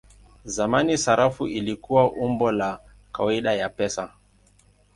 Zamani sarafu ilikuwa umbo la kawaida ya pesa.